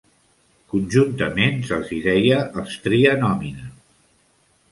Conjuntament se'ls hi deia els "tria nomina".